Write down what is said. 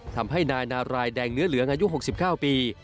ทำให้นายนารายแดงเนื้อเหลืองอายุ๖๙ปี